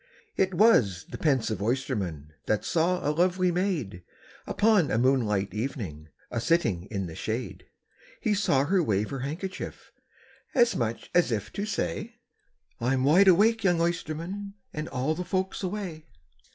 It was the pensive oysterman that saw a lovely maid, Upon a moonlight evening, a sitting in the shade; He saw her wave her handkerchief, as much as if to say, "I 'm wide awake, young oysterman, and all the folks away."